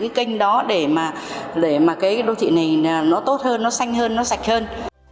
cái kênh đó để mà để mà cái đô thị này nó tốt hơn nó xanh hơn nó sạch hơn